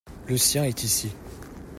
Le sien est ici.